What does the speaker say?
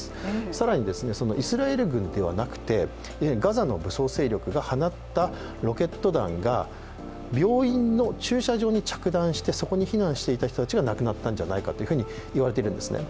更にイスラエル軍ではなくてガザの武装勢力が放ったロケット弾が病院の駐車場に着弾してそこに避難していた人たちが亡くなっているんじゃないかと言われているんですね。